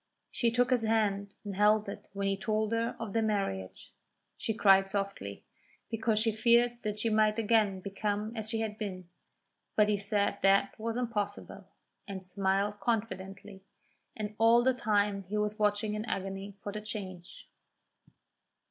She took his hand and held it when he told her of their marriage. She cried softly, because she feared that she might again become as she had been; but he said that was impossible, and smiled confidently, and all the time he was watching in agony for the change.